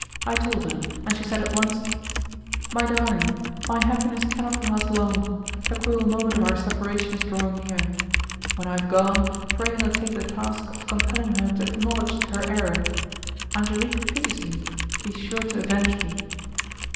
I told her, and she said at once, "My darling, my happiness cannot last long; the cruel moment of our separation is drawing near. When I have gone, pray undertake the task of compelling her to acknowledge her error. Angelique pities me, be sure to avenge me."